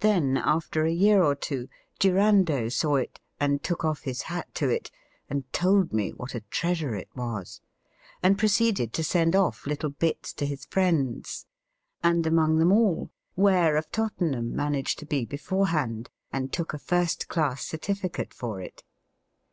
Then after a year or two Durando saw it, and took off his hat to it, and told me what a treasure it was, and proceeded to send off little bits to his friends; and among them all, Ware of Tottenham managed to be beforehand, and took a first class certificate for it.